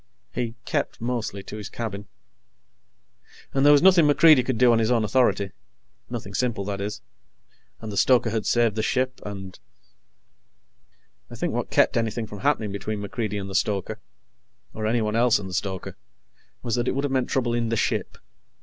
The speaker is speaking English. He kept mostly to his cabin. And there was nothing MacReidie could do on his own authority nothing simple, that is. And the stoker had saved the ship, and ... I think what kept anything from happening between MacReidie and the stoker, or anyone else and the stoker, was that it would have meant trouble in the ship.